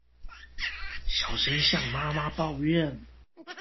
小聲向媽媽抱怨